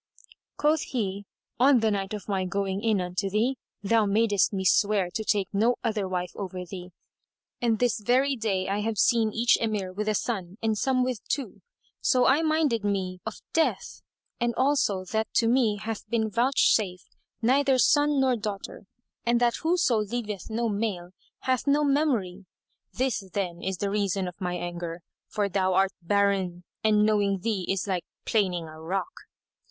Quoth he, "On the night of my going in unto thee, thou madest me swear to take no other wife over thee, and this very day I have seen each Emir with a son and some with two. So I minded me of death[FN#185]; and also that to me hath been vouchsafed neither son nor daughter and that whoso leaveth no male hath no memory. This, then, is the reason of my anger, for thou art barren; and knowing thee is like planing a rock."